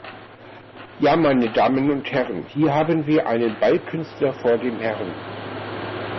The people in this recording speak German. Ja meine Damen und Herren, hier haben wir einen Ballkünstler vor dem Herrn!